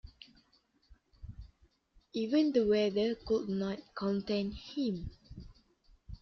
Even the weather could not contain him.